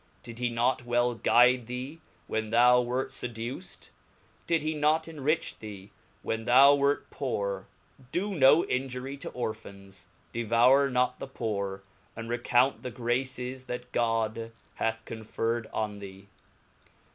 Did he not well guide thee, when thou wert refrained to fcduced ? Did not he enrich thee when thou wert poor ? Do viiic him. no injury to Orphans, devoure not thepoore, and recount the graces that God hath conferred on thee.